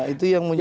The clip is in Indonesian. itu yang menjadi